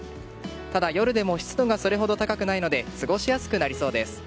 ただ、夜でも湿度がそれほど高くないので過ごしやすくなりそうです。